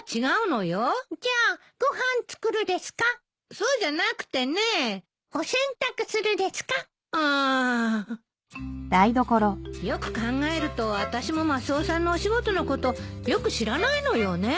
よく考えると私もマスオさんのお仕事のことよく知らないのよね。